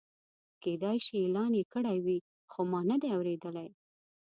کېدای شي اعلان یې کړی وي خو ما نه دی اورېدلی.